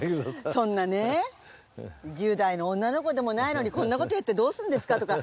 そんなね１０代の女の子でもないのにこんな事やってどうすんですかとか。